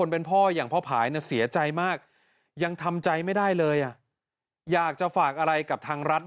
พ่อภายเชิญเลยครับ